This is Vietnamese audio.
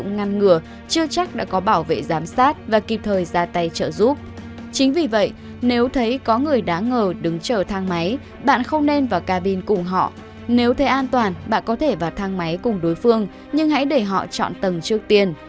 nếu thấy an toàn bạn có thể vào thang máy cùng đối phương nhưng hãy để họ chọn tầng trước tiên